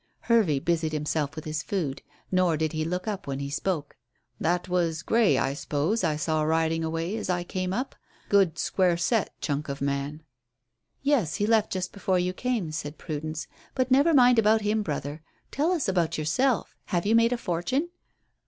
Hervey busied himself with his food, nor did he look up when he spoke. "That was Grey, I s'pose, I saw riding away as I came up? Good, square set chunk of a man." "Yes, he left just before you came," said Prudence. "But never mind about him, brother. Tell us about yourself. Have you made a fortune?"